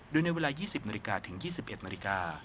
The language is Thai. โดยในเวลา๒๐นาฬิกาถึง๒๑นาฬิกา